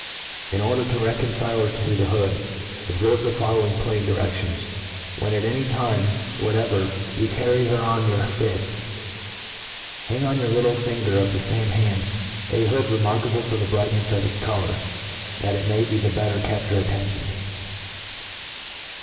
In or^er to recpncile h^r to tl^e hood, obferve the following plain direflions. When at any time whatever you carry 'heir on your fift, hang on the littlp finger of the (ame hand a hood remarkable for the brightnefs of its co lour, that it may the better catch her attention.